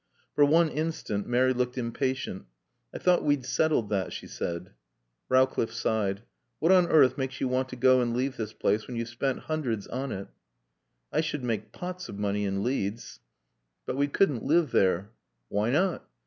For one instant Mary looked impatient. "I thought we'd settled that," she said. Rowcliffe sighed. "What on earth makes you want to go and leave this place when you've spent hundreds on it?" "I should make pots of money in Leeds." "But we couldn't live there." "Why not?"